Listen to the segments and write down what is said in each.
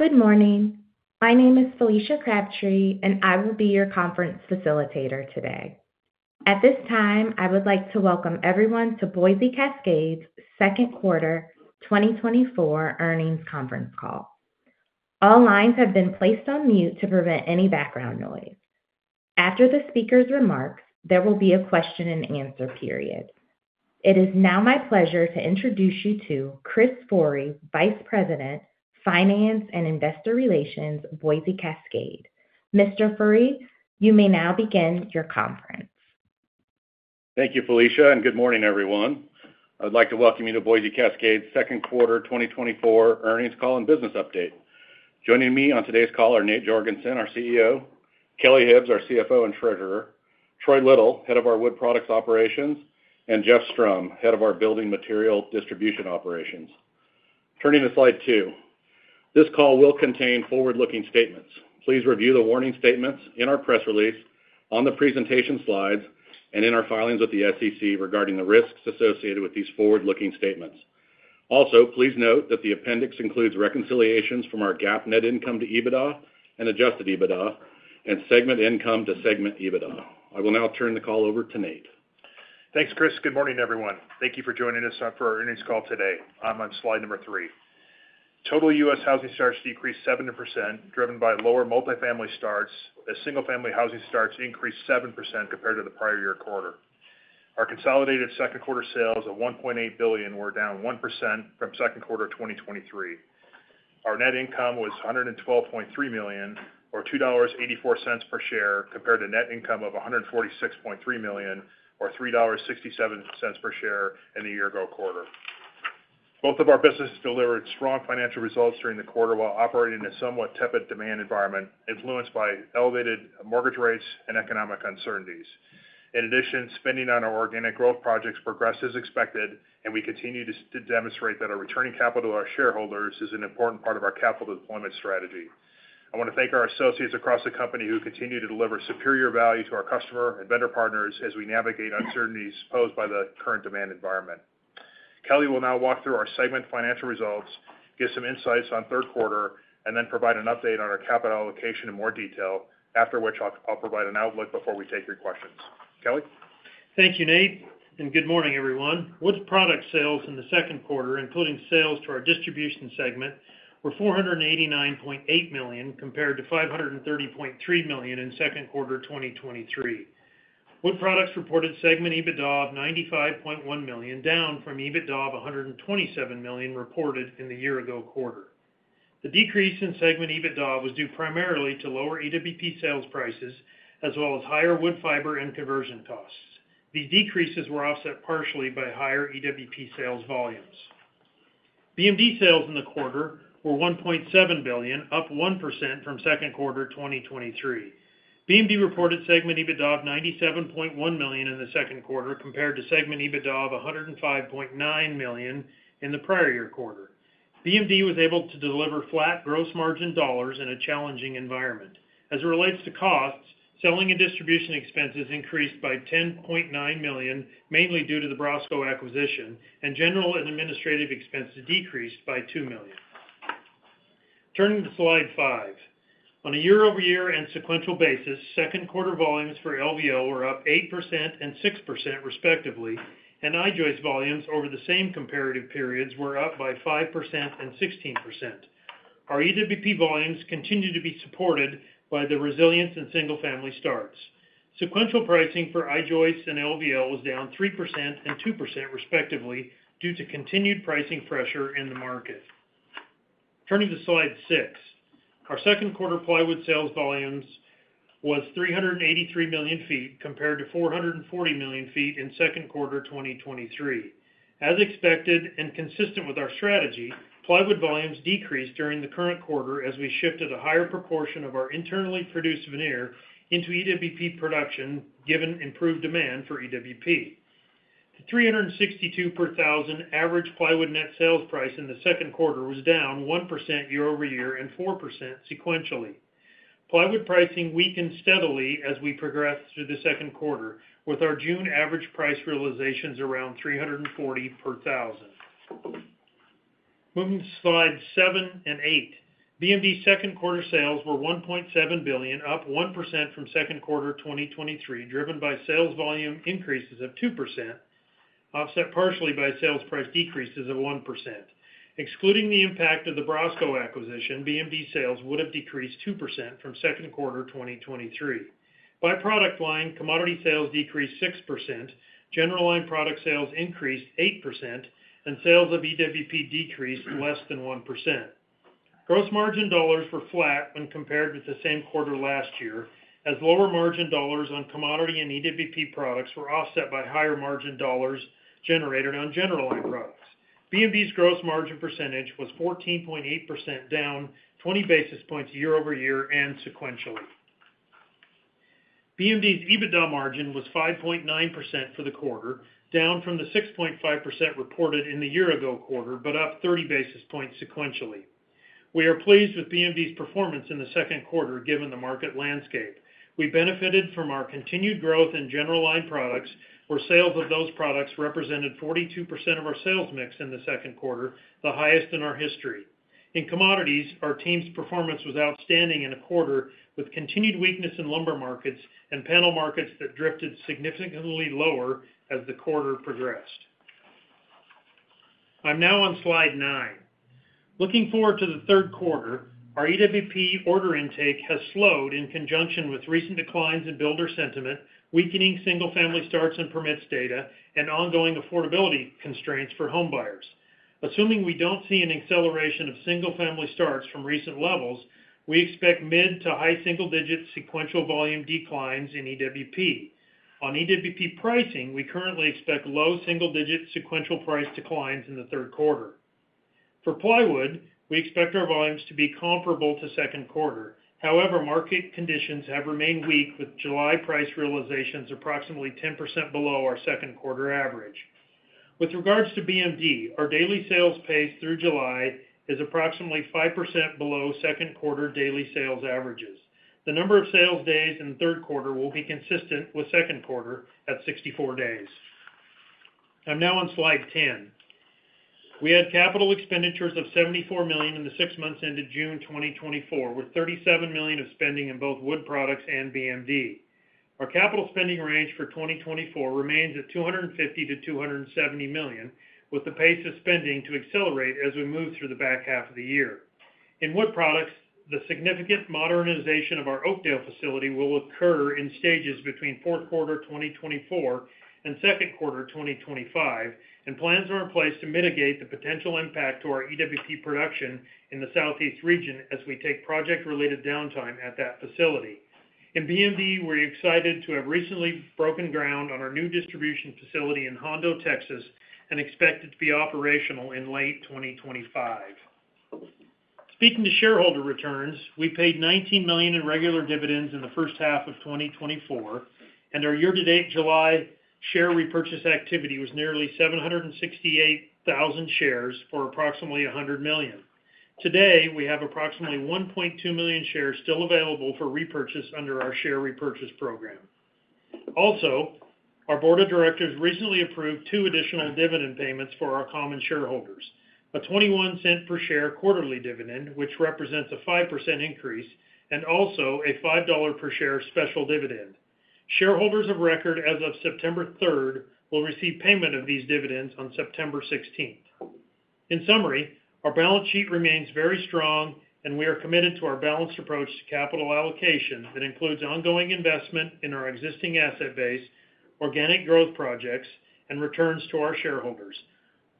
Good morning. My name is Felicia Crabtree, and I will be your conference facilitator today. At this time, I would like to welcome everyone to Boise Cascade's second quarter 2024 earnings conference call. All lines have been placed on mute to prevent any background noise. After the speaker's remarks, there will be a question-and-answer period. It is now my pleasure to introduce you to Chris For, Vice President, Finance and Investor Relations, Boise Cascade. Mr. Fore, you may now begin your conference. Thank you, Felicia, and good morning, everyone. I'd like to welcome you to Boise Cascade's second quarter 2024 earnings call and business update. Joining me on today's call are Nate Jorgensen, our CEO, Kelly Hibbs, our CFO and Treasurer, Troy Little, Head of our Wood Products Operations, and Jeff Strom, Head of our Building Material Distribution Operations. Turning to slide 2. This call will contain forward-looking statements. Please review the warning statements in our press release, on the presentation slides, and in our filings with the SEC regarding the risks associated with these forward-looking statements. Also, please note that the appendix includes reconciliations from our GAAP net income to EBITDA and adjusted EBITDA and segment income to segment EBITDA. I will now turn the call over to Nate. Thanks, Chris. Good morning, everyone. Thank you for joining us for our earnings call today. I'm on slide number 3. Total U.S. housing starts decreased 70%, driven by lower multifamily starts, as single-family housing starts increased 7% compared to the prior year quarter. Our consolidated second quarter sales of $1.8 billion were down 1% from second quarter 2023. Our net income was $112.3 million, or $2.84 per share, compared to net income of $146.3 million, or $3.67 per share in the year-ago quarter. Both of our businesses delivered strong financial results during the quarter while operating in a somewhat tepid demand environment, influenced by elevated mortgage rates and economic uncertainties. In addition, spending on our organic growth projects progressed as expected, and we continue to demonstrate that our returning capital to our shareholders is an important part of our capital deployment strategy. I want to thank our associates across the company who continue to deliver superior value to our customer and vendor partners as we navigate uncertainties posed by the current demand environment. Kelly will now walk through our segment financial results, give some insights on third quarter, and then provide an update on our capital allocation in more detail, after which I'll provide an outlook before we take your questions. Kelly? Thank you, Nate, and good morning, everyone. Wood Products sales in the second quarter, including sales to our distribution segment, were $489.8 million, compared to $530.3 million in second quarter 2023. Wood Products reported segment EBITDA of $95.1 million, down from EBITDA of $127 million reported in the year-ago quarter. The decrease in segment EBITDA was due primarily to lower EWP sales prices, as well as higher wood fiber and conversion costs. These decreases were offset partially by higher EWP sales volumes. BMD sales in the quarter were $1.7 billion, up 1% from second quarter 2023. BMD reported segment EBITDA of $97.1 million in the second quarter, compared to segment EBITDA of $105.9 million in the prior year quarter. BMD was able to deliver flat gross margin dollars in a challenging environment. As it relates to costs, selling and distribution expenses increased by $10.9 million, mainly due to the BROSCO acquisition, and general and administrative expenses decreased by $2 million. Turning to slide five. On a year-over-year and sequential basis, second quarter volumes for LVL were up 8% and 6%, respectively, and I-joist volumes over the same comparative periods were up by 5% and 16%. Our EWP volumes continue to be supported by the resilience in single-family starts. Sequential pricing for I-joist and LVL was down 3% and 2%, respectively, due to continued pricing pressure in the market. Turning to slide six. Our second quarter plywood sales volumes was 383 million feet, compared to 440 million feet in second quarter 2023. As expected and consistent with our strategy, plywood volumes decreased during the current quarter as we shifted a higher proportion of our internally produced veneer into EWP production, given improved demand for EWP. The $362 per thousand average plywood net sales price in the second quarter was down 1% year over year and 4% sequentially. Plywood pricing weakened steadily as we progressed through the second quarter, with our June average price realizations around $340 per thousand. Moving to slide 7 and 8. BMD's second quarter sales were $1.7 billion, up 1% from second quarter 2023, driven by sales volume increases of 2%, offset partially by sales price decreases of 1%. Excluding the impact of the BROSCO acquisition, BMD sales would have decreased 2% from second quarter 2023. By product line, commodity sales decreased 6%, general line product sales increased 8%, and sales of EWP decreased less than 1%. Gross margin dollars were flat when compared with the same quarter last year, as lower margin dollars on commodity and EWP products were offset by higher margin dollars generated on general line products. BMD's gross margin percentage was 14.8%, down 20 basis points year-over-year and sequentially. BMD's EBITDA margin was 5.9% for the quarter, down from the 6.5% reported in the year-ago quarter, but up 30 basis points sequentially. We are pleased with BMD's performance in the second quarter, given the market landscape. We benefited from our continued growth in general line products, where sales of those products represented 42% of our sales mix in the second quarter, the highest in our history.... In commodities, our team's performance was outstanding in a quarter, with continued weakness in lumber markets and panel markets that drifted significantly lower as the quarter progressed. I'm now on Slide 9. Looking forward to the third quarter, our EWP order intake has slowed in conjunction with recent declines in builder sentiment, weakening single-family starts and permits data, and ongoing affordability constraints for home buyers. Assuming we don't see an acceleration of single-family starts from recent levels, we expect mid- to high single-digit sequential volume declines in EWP. On EWP pricing, we currently expect low single-digit sequential price declines in the third quarter. For plywood, we expect our volumes to be comparable to second quarter. However, market conditions have remained weak, with July price realizations approximately 10% below our second quarter average. With regards to BMD, our daily sales pace through July is approximately 5% below second quarter daily sales averages. The number of sales days in the third quarter will be consistent with second quarter at 64 days. I'm now on Slide 10. We had capital expenditures of $74 million in the six months ended June 2024, with $37 million of spending in both Wood Products and BMD. Our capital spending range for 2024 remains at $250 million-$270 million, with the pace of spending to accelerate as we move through the back half of the year. In Wood Products, the significant modernization of our Oakdale facility will occur in stages between fourth quarter 2024 and second quarter 2025, and plans are in place to mitigate the potential impact to our EWP production in the Southeast region as we take project-related downtime at that facility. In BMD, we're excited to have recently broken ground on our new distribution facility in Hondo, Texas, and expect it to be operational in late 2025. Speaking to shareholder returns, we paid $19 million in regular dividends in the first half of 2024, and our year-to-date July share repurchase activity was nearly 768,000 shares for approximately $100 million. Today, we have approximately 1.2 million shares still available for repurchase under our share repurchase program. Also, our board of directors recently approved two additional dividend payments for our common shareholders, a $0.21 per share quarterly dividend, which represents a 5% increase, and also a $5 per share special dividend. Shareholders of record as of September 3rd will receive payment of these dividends on September 16th. In summary, our balance sheet remains very strong, and we are committed to our balanced approach to capital allocation that includes ongoing investment in our existing asset base, organic growth projects, and returns to our shareholders.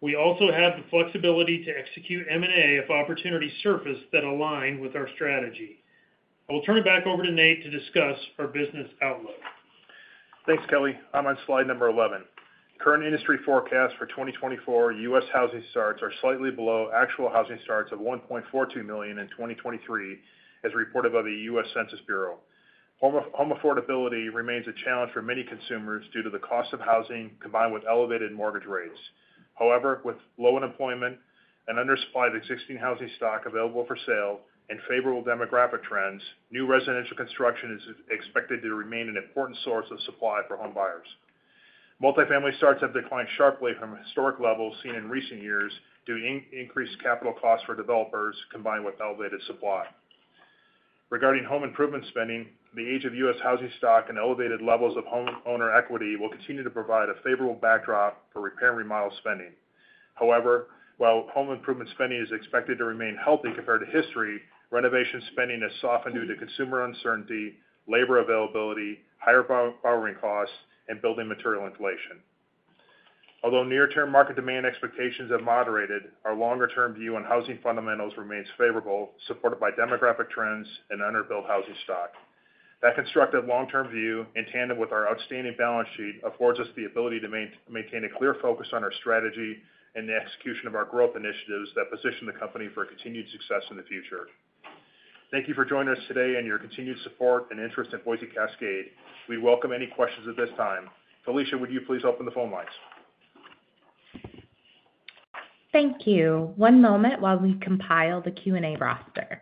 We also have the flexibility to execute M&A if opportunities surface that align with our strategy. I will turn it back over to Nate to discuss our business outlook. Thanks, Kelly. I'm on slide number 11. Current industry forecasts for 2024, U.S. housing starts are slightly below actual housing starts of 1.42 million in 2023, as reported by the U.S. Census Bureau. Home affordability remains a challenge for many consumers due to the cost of housing, combined with elevated mortgage rates. However, with low unemployment and undersupply of existing housing stock available for sale and favorable demographic trends, new residential construction is expected to remain an important source of supply for home buyers. Multifamily starts have declined sharply from historic levels seen in recent years, due to increased capital costs for developers, combined with elevated supply. Regarding home improvement spending, the age of U.S. housing stock and elevated levels of homeowner equity will continue to provide a favorable backdrop for repair and remodel spending. However, while home improvement spending is expected to remain healthy compared to history, renovation spending has softened due to consumer uncertainty, labor availability, higher borrowing costs, and building material inflation. Although near-term market demand expectations have moderated, our longer-term view on housing fundamentals remains favorable, supported by demographic trends and underbuilt housing stock. That constructive long-term view, in tandem with our outstanding balance sheet, affords us the ability to maintain a clear focus on our strategy and the execution of our growth initiatives that position the company for continued success in the future. Thank you for joining us today and your continued support and interest in Boise Cascade. We welcome any questions at this time. Felicia, would you please open the phone lines? Thank you. One moment while we compile the Q&A roster.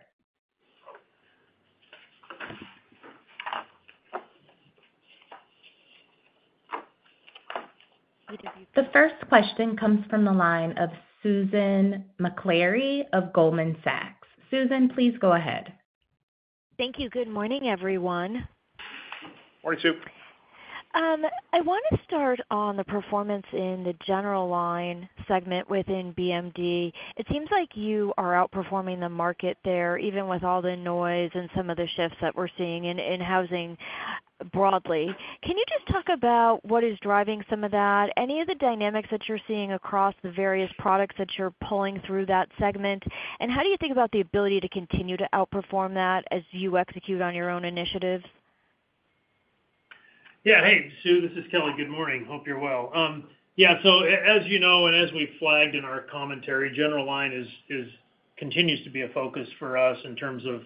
The first question comes from the line of Susan Maklari of Goldman Sachs. Susan, please go ahead. Thank you. Good morning, everyone. Morning, Sue. I want to start on the performance in the general line segment within BMD. It seems like you are outperforming the market there, even with all the noise and some of the shifts that we're seeing in housing broadly. Can you just talk about what is driving some of that? Any of the dynamics that you're seeing across the various products that you're pulling through that segment, and how do you think about the ability to continue to outperform that as you execute on your own initiatives? Yeah. Hey, Sue, this is Kelly. Good morning. Hope you're well. Yeah, so as you know, and as we flagged in our commentary, general line continues to be a focus for us in terms of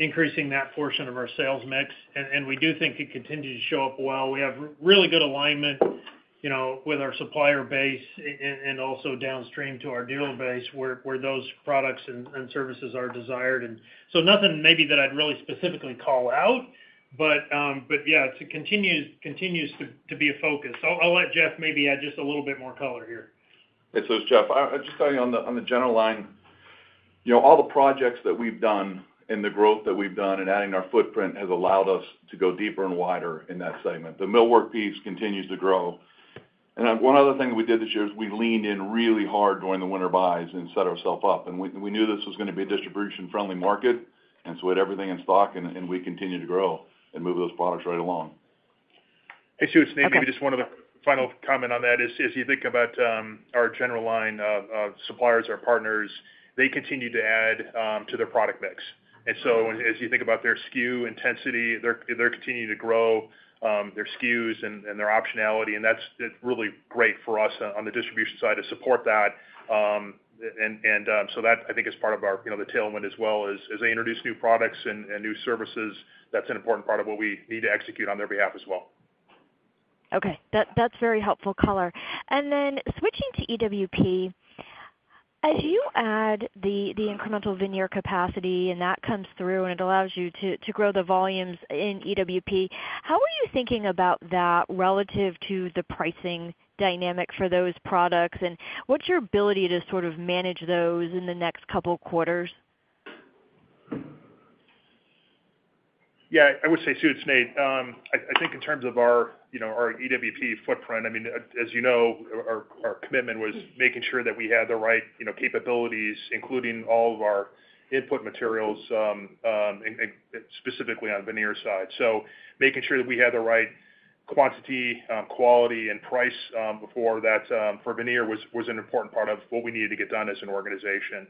increasing that portion of our sales mix, and we do think it continues to show up well. We have really good alignment, you know, with our supplier base and also downstream to our dealer base, where those products and services are desired. And so nothing maybe that I'd really specifically call out, but yeah, it continues to be a focus. I'll let Jeff maybe add just a little bit more color here. Hey, so it's Jeff. I'll just tell you on the, on the general line.... You know, all the projects that we've done and the growth that we've done in adding our footprint has allowed us to go deeper and wider in that segment. The millwork piece continues to grow. And then one other thing we did this year is we leaned in really hard during the winter buys and set ourselves up. And we knew this was going to be a distribution-friendly market, and so we had everything in stock, and we continued to grow and move those products right along. Hey, Sue, it's Nate. Maybe just one other final comment on that is, as you think about our general line of suppliers, our partners, they continue to add to their product mix. And so as you think about their SKU intensity, they're continuing to grow their SKUs and their optionality, and that's really great for us on the distribution side to support that. So that, I think, is part of our, you know, the tailwind as well as they introduce new products and new services, that's an important part of what we need to execute on their behalf as well. Okay, that's very helpful color. And then switching to EWP, as you add the incremental veneer capacity, and that comes through, and it allows you to grow the volumes in EWP, how are you thinking about that relative to the pricing dynamic for those products? And what's your ability to sort of manage those in the next couple of quarters? Yeah, I would say, Sue, it's Nate. I think in terms of our, you know, our EWP footprint, I mean, as you know, our commitment was making sure that we had the right, you know, capabilities, including all of our input materials, and specifically on the veneer side. So making sure that we had the right quantity, quality, and price, before that, for veneer was an important part of what we needed to get done as an organization.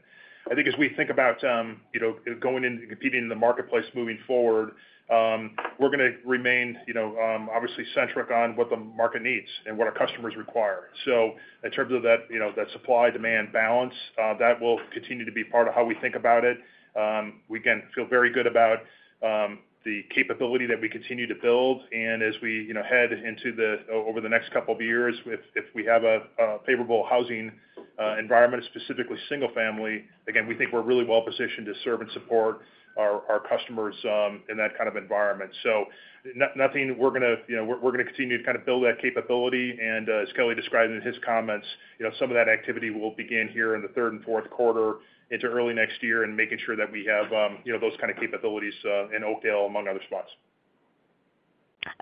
I think as we think about, you know, going in and competing in the marketplace moving forward, we're going to remain, you know, obviously, centric on what the market needs and what our customers require. So in terms of that, you know, that supply-demand balance, that will continue to be part of how we think about it. We, again, feel very good about the capability that we continue to build. And as we, you know, head into over the next couple of years, if we have a favorable housing environment, specifically single family, again, we think we're really well-positioned to serve and support our customers in that kind of environment. So nothing we're going to... You know, we're going to continue to kind of build that capability. And as Kelly described in his comments, you know, some of that activity will begin here in the third and fourth quarter into early next year and making sure that we have those kind of capabilities in Oakdale, among other spots.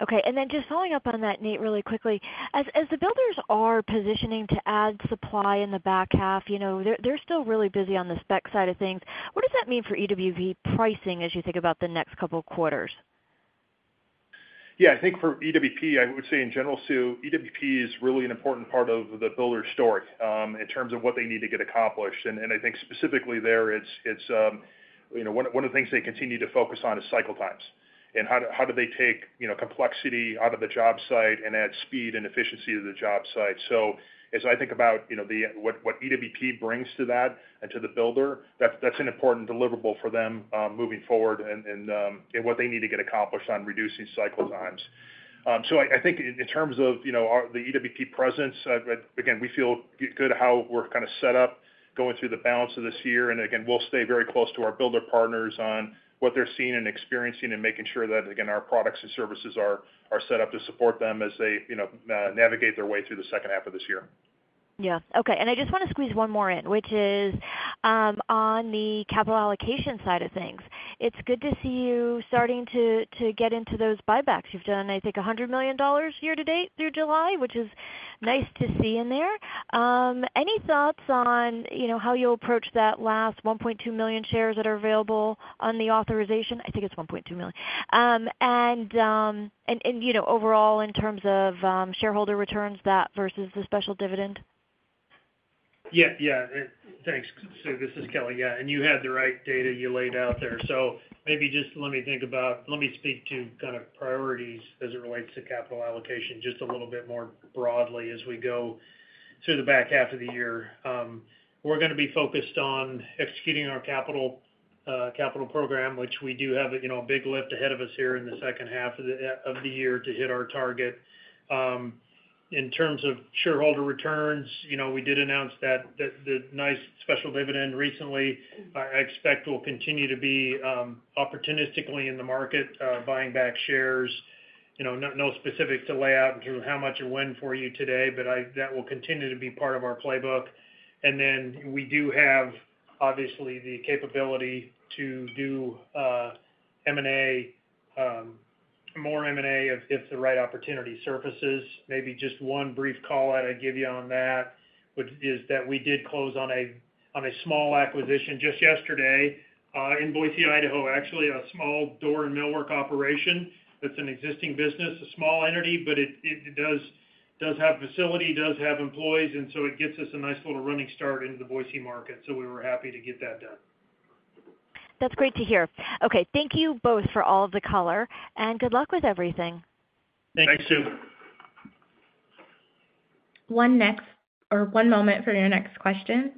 Okay. And then just following up on that, Nate, really quickly. As the builders are positioning to add supply in the back half, you know, they're still really busy on the spec side of things. What does that mean for EWP pricing as you think about the next couple of quarters? Yeah, I think for EWP, I would say in general, Sue, EWP is really an important part of the builder's story in terms of what they need to get accomplished. And I think specifically there, it's you know, one of the things they continue to focus on is cycle times and how they take you know, complexity out of the job site and add speed and efficiency to the job site? So as I think about you know, the what EWP brings to that and to the builder, that's an important deliverable for them moving forward and what they need to get accomplished on reducing cycle times. So I think in terms of, you know, our EWP presence, again, we feel good how we're kind of set up going through the balance of this year. And again, we'll stay very close to our builder partners on what they're seeing and experiencing and making sure that, again, our products and services are set up to support them as they, you know, navigate their way through the second half of this year. Yeah. Okay, and I just want to squeeze one more in, which is on the capital allocation side of things. It's good to see you starting to get into those buybacks. You've done, I think, $100 million year to date through July, which is nice to see in there. Any thoughts on, you know, how you'll approach that last 1.2 million shares that are available on the authorization? I think it's 1.2 million. And, you know, overall, in terms of shareholder returns, that versus the special dividend? Yeah, yeah. Thanks, Sue. This is Kelly. Yeah, and you had the right data you laid out there. So maybe just let me speak to kind of priorities as it relates to capital allocation, just a little bit more broadly as we go through the back half of the year. We're going to be focused on executing our capital, capital program, which we do have, you know, a big lift ahead of us here in the second half of the, of the year to hit our target. In terms of shareholder returns, you know, we did announce that, the, the nice special dividend recently. I, I expect we'll continue to be, opportunistically in the market, buying back shares. You know, no, no specifics to lay out in terms of how much or when for you today, but I—that will continue to be part of our playbook. And then we do have, obviously, the capability to do M&A, more M&A if, if the right opportunity surfaces. Maybe just one brief call that I'd give you on that, which is that we did close on a, on a small acquisition just yesterday, in Boise, Idaho, actually, a small door and millwork operation. That's an existing business, a small entity, but it does have facility, does have employees, and so it gets us a nice little running start in the Boise market, so we were happy to get that done. That's great to hear. Okay, thank you both for all of the color, and good luck with everything. Thanks, Sue. Thanks. One moment for your next question.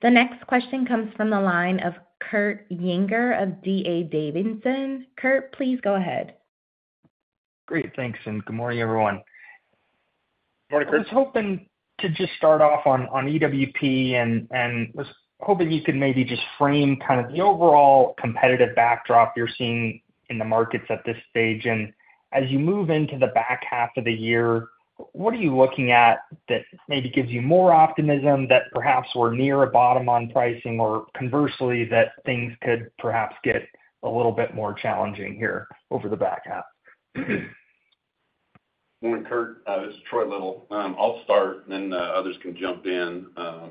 The next question comes from the line of Kurt Yinger of D.A. Davidson. Kurt, please go ahead. Great. Thanks, and good morning, everyone. Good morning, Kurt. I was hoping to just start off on EWP and was hoping you could maybe just frame kind of the overall competitive backdrop you're seeing in the markets at this stage, and as you move into the back half of the year, what are you looking at that maybe gives you more optimism that perhaps we're near a bottom on pricing, or conversely, that things could perhaps get a little bit more challenging here over the back half? Morning, Kurt, this is Troy Little. I'll start, and then, others can jump in.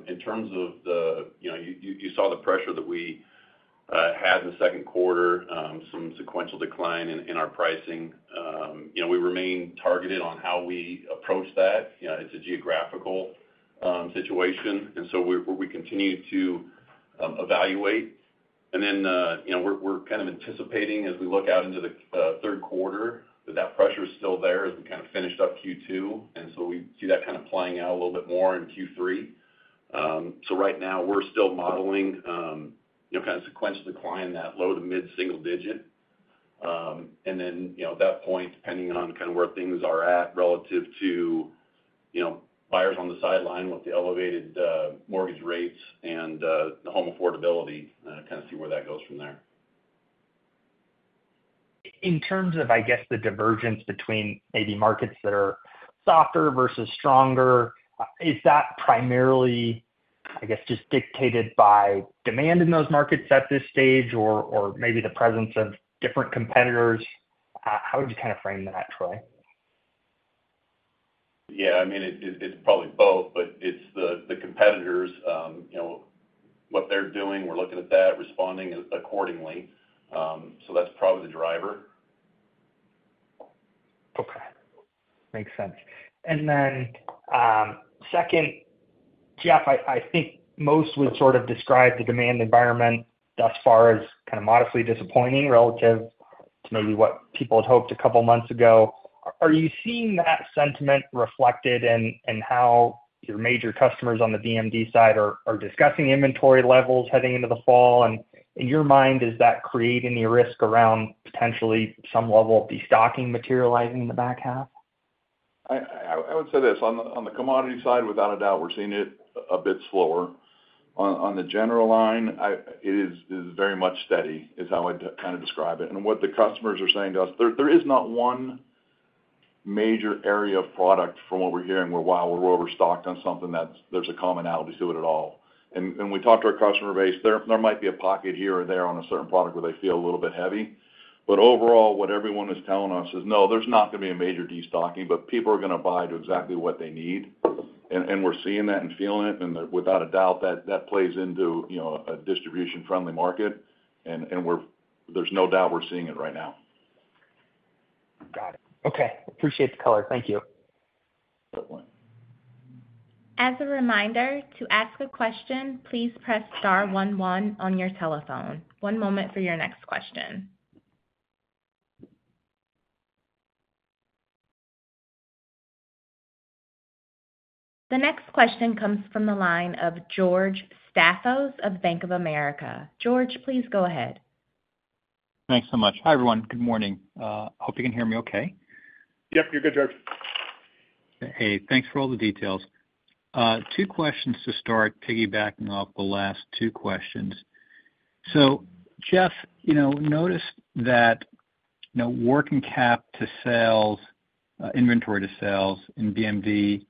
In terms of the, you know, you, you saw the pressure that we had in the second quarter, some sequential decline in, in our pricing. You know, we remain targeted on how we approach that. You know, it's a geographical, situation, and so we're, we continue to, evaluate. And then, you know, we're, we're kind of anticipating as we look out into the, third quarter, that that pressure is still there as we kind of finished up Q2, and so we see that kind of playing out a little bit more in Q3. So right now, we're still modeling, you know, kind of sequential decline, that low to mid-single digit. And then, you know, at that point, depending on kind of where things are at relative to, you know, buyers on the sideline with the elevated mortgage rates and the home affordability, kind of see where that goes from there. In terms of, I guess, the divergence between maybe markets that are softer versus stronger, is that primarily, I guess, just dictated by demand in those markets at this stage, or, or maybe the presence of different competitors? How would you kind of frame that, Troy? Yeah, I mean, it's probably both, but it's the competitors, you know, what they're doing, we're looking at that, responding accordingly. So that's probably the driver. Okay. Makes sense. And then, second, Jeff, I think most would sort of describe the demand environment thus far as kind of modestly disappointing relative to maybe what people had hoped a couple of months ago. Are you seeing that sentiment reflected in how your major customers on the BMD side are discussing inventory levels heading into the fall? And in your mind, is that creating any risk around potentially some level of destocking materializing in the back half? I would say this, on the commodity side, without a doubt, we're seeing it a bit slower. On the general line, it is very much steady, is how I'd kind of describe it. And what the customers are saying to us, there is not one major area of product from what we're hearing, where wow, we're overstocked on something, there's a commonality to it at all. And when we talk to our customer base, there might be a pocket here or there on a certain product where they feel a little bit heavy. But overall, what everyone is telling us is, "No, there's not going to be a major destocking, but people are going to buy to exactly what they need." And we're seeing that and feeling it, and without a doubt, that plays into, you know, a distribution-friendly market, and we're. There's no doubt we're seeing it right now. Got it. Okay. Appreciate the color. Thank you. As a reminder, to ask a question, please press star one one on your telephone. One moment for your next question. The next question comes from the line of George Staphos of Bank of America. George, please go ahead. Thanks so much. Hi, everyone. Good morning. Hope you can hear me okay. Yep, you're good, George. Hey, thanks for all the details. Two questions to start, piggybacking off the last two questions. So, Jeff, you know, noticed that, you know, working cap to sales, inventory to sales in BMD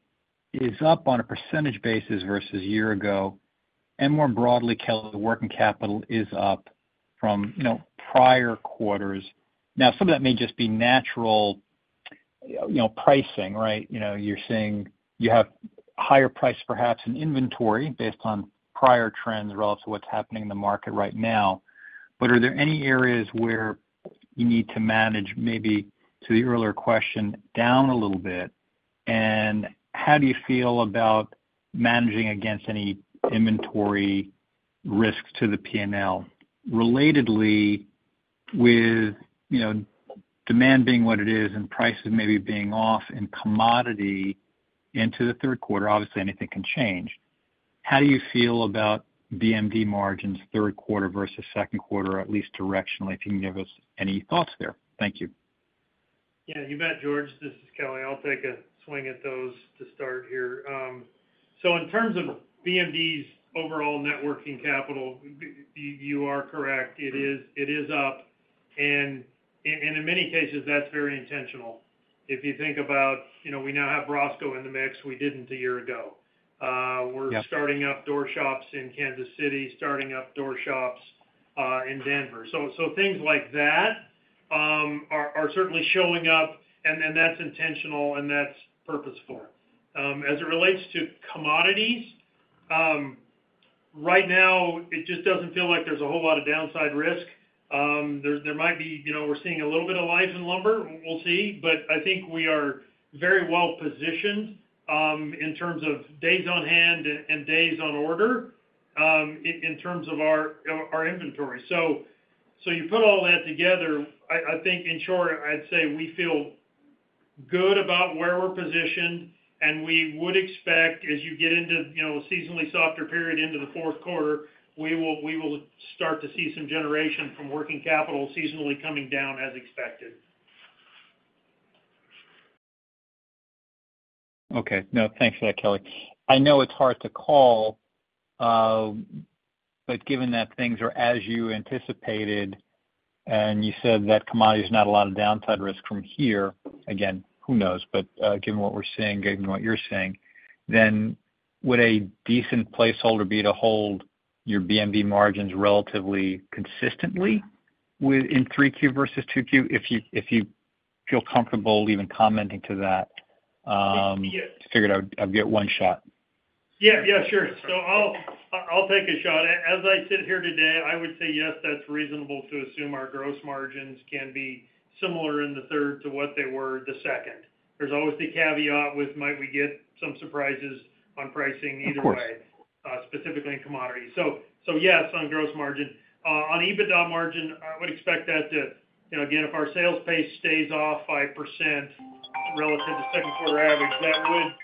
is up on a percentage basis versus a year ago, and more broadly, Kelly, the working capital is up from, you know, prior quarters. Now, some of that may just be natural, you know, pricing, right? You know, you're seeing you have higher price, perhaps in inventory, based on prior trends relative to what's happening in the market right now. But are there any areas where you need to manage, maybe to the earlier question, down a little bit, and how do you feel about managing against any inventory risk to the PNL? Relatedly, with, you know, demand being what it is and prices maybe being off in commodity into the third quarter, obviously, anything can change. How do you feel about BMD margins, third quarter versus second quarter, at least directionally, if you can give us any thoughts there? Thank you. Yeah, you bet, George. This is Kelly. I'll take a swing at those to start here. So in terms of BMD's overall net working capital, you are correct, it is up, and in many cases, that's very intentional. If you think about, you know, we now have BROSCO in the mix, we didn't a year ago. We're- Yeah. Starting up door shops in Kansas City, starting up door shops in Denver. So things like that are certainly showing up, and that's intentional and that's purposeful. As it relates to commodities, right now, it just doesn't feel like there's a whole lot of downside risk. There might be, you know, we're seeing a little bit of lifts in lumber. We'll see. But I think we are very well positioned in terms of days on hand and days on order in terms of our inventory. So you put all that together, I think, in short, I'd say we feel good about where we're positioned, and we would expect, as you get into, you know, a seasonally softer period into the fourth quarter, we will start to see some generation from working capital seasonally coming down as expected.... Okay. No, thanks for that, Kelly. I know it's hard to call, but given that things are as you anticipated, and you said that commodity is not a lot of downside risk from here, again, who knows? But, given what we're seeing, given what you're saying, then would a decent placeholder be to hold your BMD margins relatively consistently with- in 3Q versus 2Q? If you, if you feel comfortable even commenting to that, figured I'd, I'd get one shot. Yeah. Yeah, sure. So I'll take a shot. As I sit here today, I would say, yes, that's reasonable to assume our gross margins can be similar in the third to what they were the second. There's always the caveat with might we get some surprises on pricing either way- Of course. Specifically in commodities. So, yes, on gross margin. On EBITDA margin, I would expect that to, you know, again, if our sales pace stays off by percent relative to second quarter average,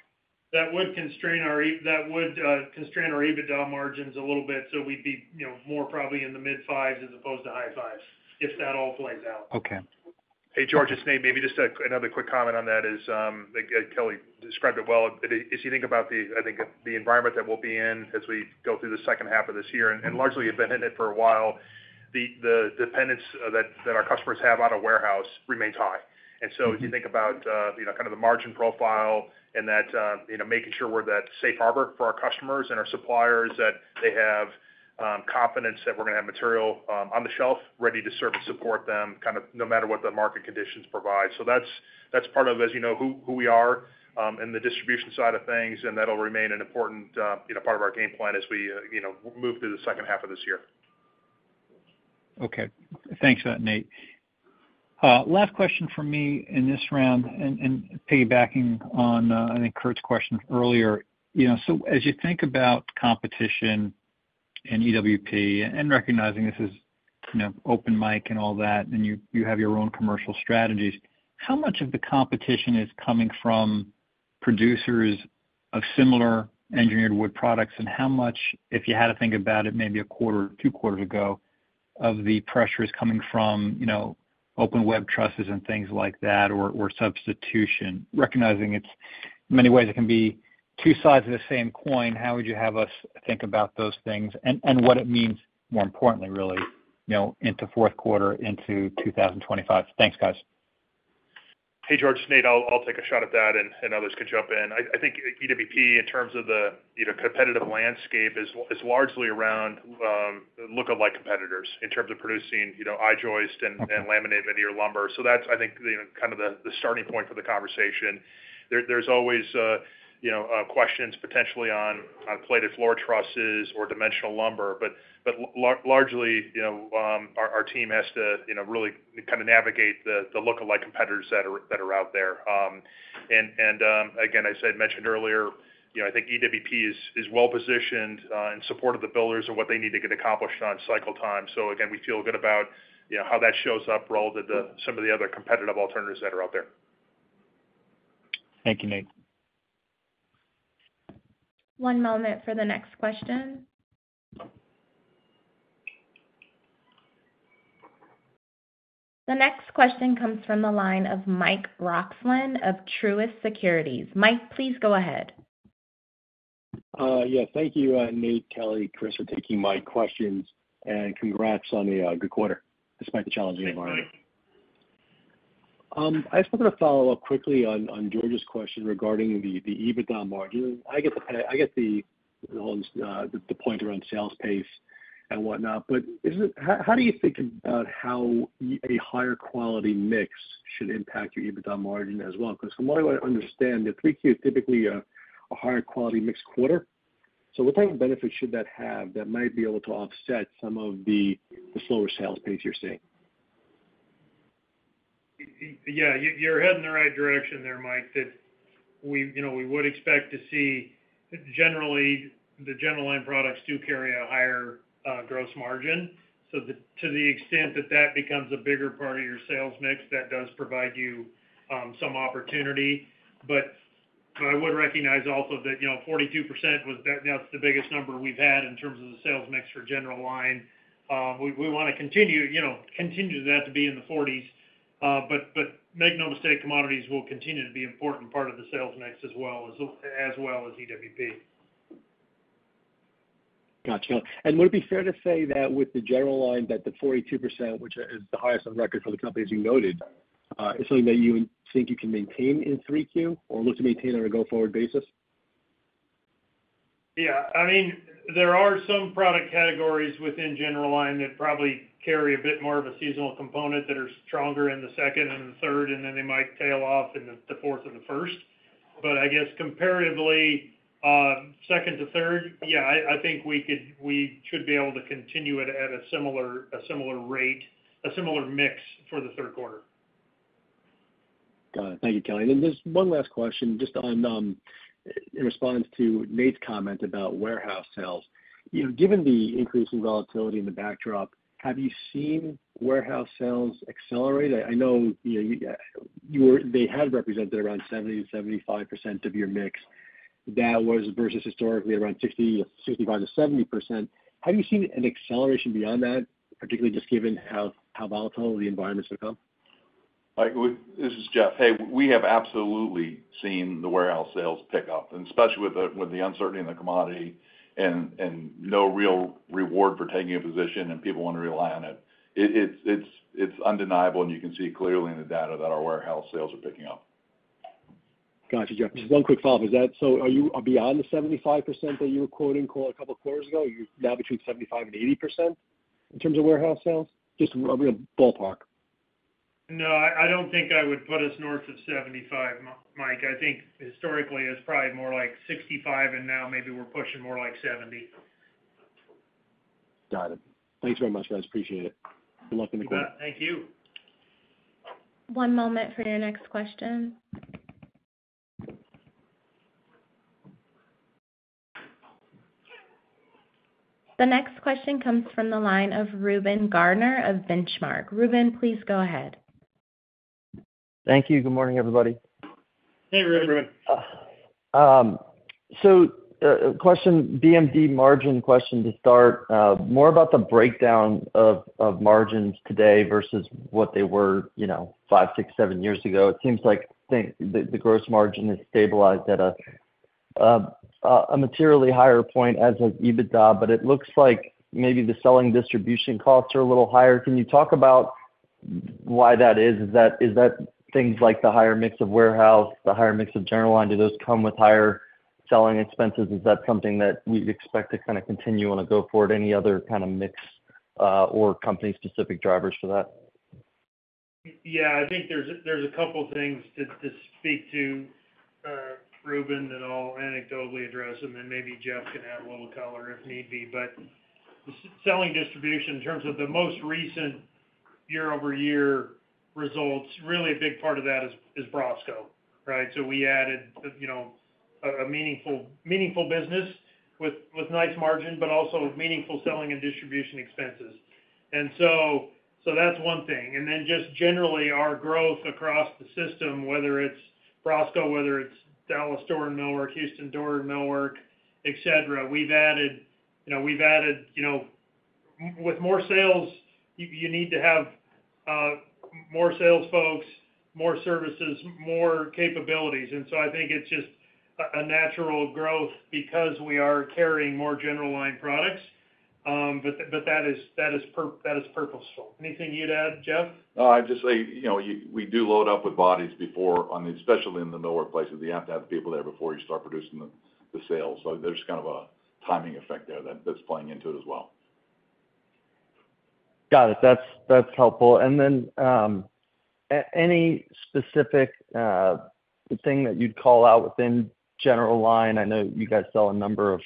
that would constrain our EBITDA margins a little bit, so we'd be, you know, more probably in the mid fives as opposed to high fives, if that all plays out. Okay. Hey, George, it's Nate. Maybe just another quick comment on that is that Kelly described it well. If, as you think about the, I think, the environment that we'll be in as we go through the second half of this year, and largely have been in it for a while, the dependence that our customers have out of warehouse remains high. And so if you think about, you know, kind of the margin profile and that, you know, making sure we're that safe harbor for our customers and our suppliers, that they have confidence that we're going to have material on the shelf, ready to serve and support them, kind of no matter what the market conditions provide. That's part of, as you know, who we are in the distribution side of things, and that'll remain an important, you know, part of our game plan as we, you know, move through the second half of this year. Okay. Thanks for that, Nate. Last question from me in this round, and piggybacking on, I think, Kurt's question earlier. You know, so as you think about competition and EWP and recognizing this is, you know, open mic and all that, and you have your own commercial strategies, how much of the competition is coming from producers of similar engineered wood products? And how much, if you had to think about it, maybe a quarter or two quarters ago, of the pressure is coming from, you know, open web trusses and things like that, or substitution? Recognizing it's, in many ways, it can be two sides of the same coin. How would you have us think about those things and what it means, more importantly, really, you know, into fourth quarter, into 2025? Thanks, guys. Hey, George, it's Nate. I'll take a shot at that, and others can jump in. I think EWP, in terms of the, you know, competitive landscape, is largely around look-alike competitors in terms of producing, you know, I-joist and laminated veneer lumber. So that's, I think, the kind of the starting point for the conversation. There's always, you know, questions potentially on plated floor trusses or dimensional lumber. But largely, you know, our team has to, you know, really kind of navigate the look-alike competitors that are out there. And again, as I mentioned earlier, you know, I think EWP is well positioned in support of the builders and what they need to get accomplished on cycle time. So again, we feel good about, you know, how that shows up relative to some of the other competitive alternatives that are out there. Thank you, Nate. One moment for the next question. The next question comes from the line of Mike Roxland of Truist Securities. Mike, please go ahead. Yeah, thank you, Nate, Kelly, Chris, for taking my questions, and congrats on the good quarter, despite the challenging environment. I just wanted to follow up quickly on George's question regarding the EBITDA margin. I get the point around sales pace and whatnot, but is it - how do you think about how a higher quality mix should impact your EBITDA margin as well? Because from what I understand, the 3Q is typically a higher quality mix quarter. So what type of benefit should that have that might be able to offset some of the slower sales pace you're seeing? Yeah, you're heading in the right direction there, Mike. Yeah, you know, we would expect to see, generally, the general line products do carry a higher gross margin. So, to the extent that that becomes a bigger part of your sales mix, that does provide you some opportunity. But I would recognize also that, you know, 42% was, that's the biggest number we've had in terms of the sales mix for general line. We want to continue, you know, continue that to be in the 40s, but make no mistake, commodities will continue to be important part of the sales mix as well as EWP. Gotcha. Would it be fair to say that with the general line, that the 42%, which is the highest on record for the company, as you noted, is something that you think you can maintain in 3Q or look to maintain on a go-forward basis? Yeah. I mean, there are some product categories within general line that probably carry a bit more of a seasonal component, that are stronger in the second and the third, and then they might tail off in the fourth or the first. But I guess comparatively, second to third, yeah, I think we could, we should be able to continue it at a similar rate, a similar mix for the third quarter. Got it. Thank you, Kelly. And then just one last question, just on in response to Nate's comment about warehouse sales. You know, given the increase in volatility in the backdrop, have you seen warehouse sales accelerate? I, I know, you know, you, you were - they had represented around 70%-75% of your mix. That was versus historically around 60, 65%-70%. Have you seen an acceleration beyond that, particularly just given how, how volatile the environment's become? Mike, this is Jeff. Hey, we have absolutely seen the warehouse sales pick up, and especially with the uncertainty in the commodity and no real reward for taking a position, and people want to rely on it. It's undeniable, and you can see clearly in the data that our warehouse sales are picking up. Got you, Jeff. Just one quick follow-up: Is that, so are you beyond the 75% that you were quoting, Cole, a couple of quarters ago? Are you now between 75% and 80% in terms of warehouse sales? Just a real ballpark. No, I don't think I would put us north of 75, Mike. I think historically, it's probably more like 65, and now maybe we're pushing more like 70. Got it. Thanks very much, guys. Appreciate it. Good luck in the quarter. You bet. Thank you. One moment for your next question. The next question comes from the line of Reuben Garner of Benchmark. Reuben, please go ahead. Thank you. Good morning, everybody. Hey, Reuben. So, a question, BMD margin question to start, more about the breakdown of margins today versus what they were, you know, 5, 6, 7 years ago. It seems like the gross margin has stabilized at a materially higher point as has EBITDA, but it looks like maybe the selling distribution costs are a little higher. Can you talk about why that is? Is that things like the higher mix of warehouse, the higher mix of general line, do those come with higher selling expenses? Is that something that we'd expect to kind of continue on a go forward? Any other kind of mix or company-specific drivers for that? Yeah, I think there's a couple things to speak to, Reuben, and I'll anecdotally address them, and maybe Jeff can add a little color if need be. But selling distribution, in terms of the most recent year-over-year results, really a big part of that is BROSCO, right? So, we added, you know, a meaningful business with nice margin, but also meaningful selling and distribution expenses. And so that's one thing. And then, just generally, our growth across the system, whether it's BROSCO, whether it's Dallas store and millwork, Houston door and millwork, et cetera, we've added, you know, we've added, you know. With more sales, you need to have more sales folks, more services, more capabilities. And so I think it's just a natural growth because we are carrying more general line products, but that is purposeful. Anything you'd add, Jeff? No, I'd just say, you know, we do load up with bodies before on the, especially in the millwork places. You have to have the people there before you start producing the sales. So there's kind of a timing effect there that's playing into it as well. Got it. That's, that's helpful. And then, any specific thing that you'd call out within general line? I know you guys sell a number of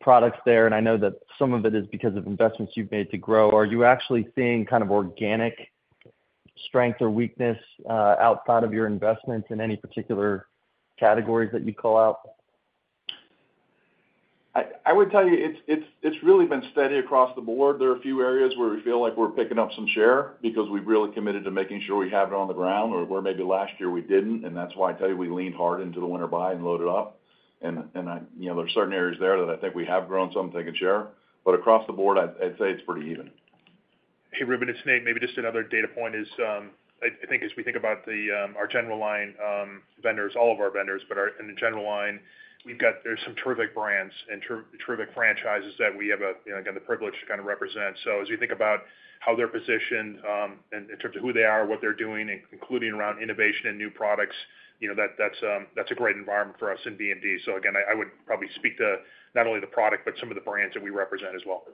products there, and I know that some of it is because of investments you've made to grow. Are you actually seeing kind of organic strength or weakness, outside of your investments in any particular categories that you call out? I would tell you, it's really been steady across the board. There are a few areas where we feel like we're picking up some share because we've really committed to making sure we have it on the ground, or where maybe last year we didn't, and that's why I tell you, we leaned hard into the winter buy and loaded up. And I, you know, there are certain areas there that I think we have grown some share. But across the board, I'd say it's pretty even. Hey, Reuben, it's Nate. Maybe just another data point is, I think as we think about the, our general line, vendors, all of our vendors, but our—in the general line, we've got—there's some terrific brands and terrific franchises that we have a, you know, again, the privilege to kind of represent. So as we think about how they're positioned, and in terms of who they are, what they're doing, including around innovation and new products, you know, that's, that's a great environment for us in BMD. So again, I would probably speak to not only the product, but some of the brands that we represent as well.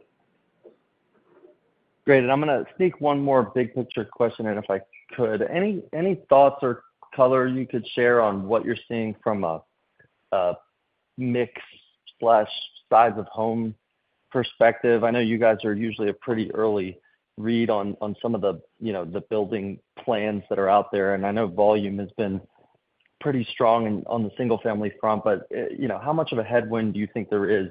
Great. And I'm gonna sneak one more big-picture question in, if I could. Any, any thoughts or color you could share on what you're seeing from a, a mix/size of home perspective? I know you guys are usually a pretty early read on, on some of the, you know, the building plans that are out there, and I know volume has been pretty strong on the single-family front. But, you know, how much of a headwind do you think there is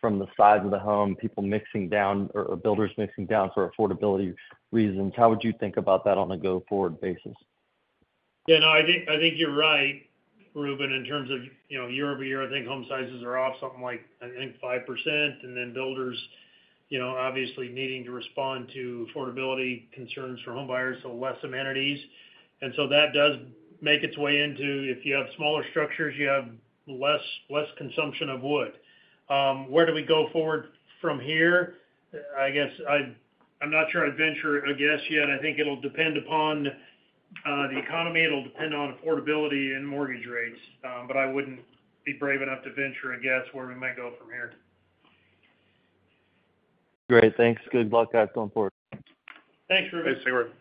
from the size of the home, people mixing down or, or builders mixing down for affordability reasons? How would you think about that on a go-forward basis? Yeah, no, I think, I think you're right, Reuben, in terms of, you know, year-over-year, I think home sizes are off something like, I think, 5%, and then builders, you know, obviously needing to respond to affordability concerns for homebuyers, so less amenities. And so that does make its way into if you have smaller structures, you have less, less consumption of wood. Where do we go forward from here? I guess I, I'm not sure I'd venture a guess yet. I think it'll depend upon the economy, it'll depend on affordability and mortgage rates. But I wouldn't be brave enough to venture a guess where we might go from here. Great. Thanks. Good luck, guys, going forward. Thanks, Reuben. Thanks, Reuben.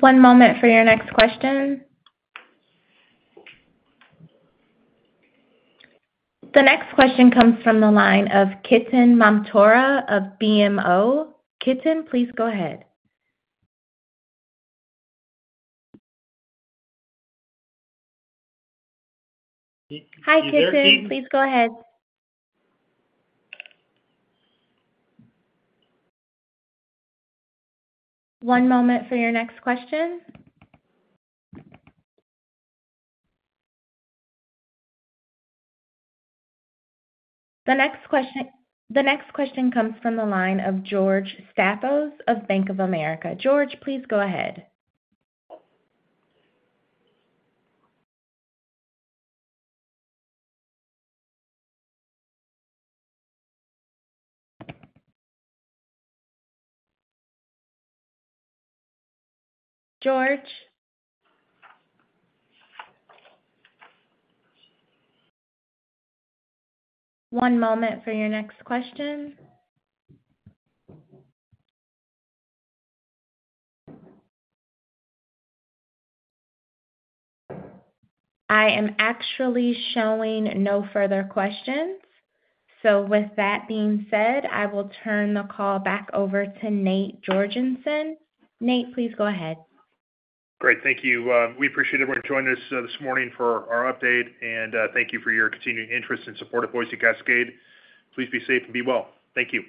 One moment for your next question. The next question comes from the line of Ketan Mamtora of BMO. Ketan, please go ahead. Hi, Ketan. Please go ahead. One moment for your next question. The next question, the next question comes from the line of George Staphos of Bank of America. George, please go ahead. George? One moment for your next question. I am actually showing no further questions. So with that being said, I will turn the call back over to Nate Jorgensen. Nate, please go ahead. Great. Thank you. We appreciate everyone joining us this morning for our update, and thank you for your continued interest and support of Boise Cascade. Please be safe and be well. Thank you.